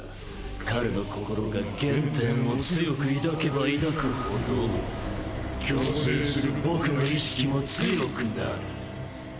彼の心が原点を強く抱けば抱く程共生する僕の意識も強くなる。